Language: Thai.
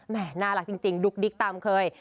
น่ารักจริงดุ๊กดิ๊กตามเคย